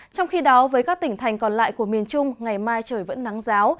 trong khi đó với các tỉnh thành còn lại của miền trung ngày mai trời vẫn nắng giáo